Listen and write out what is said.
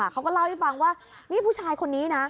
เขาก็เล่าให้ฟังว่านี่ผู้ชายคนนี้นะ